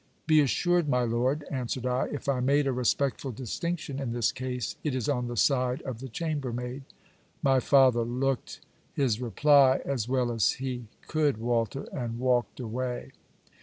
'Be assured, my lord', answered I 'if I made a respectful distinction in this case, it is on the side of the chambermaid.' My father looked his reply, (as well as he could Walter) and walked away.